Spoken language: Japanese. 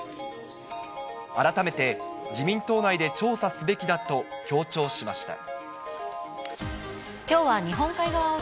改めて自民党内で調査すべきだと強調しました。